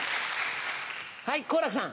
はい好楽さん。